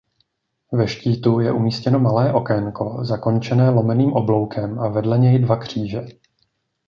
Ve štítu je umístěno malé okénko zakončené lomeným obloukem a vedle něj dva kříže.